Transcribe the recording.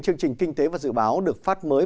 chương trình kinh tế và dự báo được phát mới